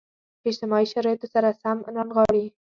اجتماعي شرایطو سره سم رانغاړي.